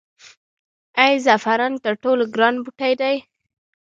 آیا زعفران تر ټولو ګران بوټی دی؟